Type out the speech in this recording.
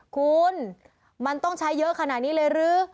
คุณมันต้องใช้เยอะขนาดนี้เลยหรือ